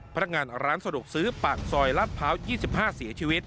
พนักงานร้านสะดวกซื้อปากซอยลาดพร้าว๒๕เสียชีวิต